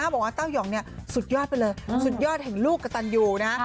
บอกว่าเต้ายองเนี่ยสุดยอดไปเลยสุดยอดเห็นลูกกับตันยูนะ